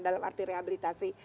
dalam arti rehabilitasi